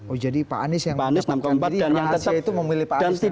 oh jadi pak anies yang memilih rahasia itu memilih pak anies yang memilih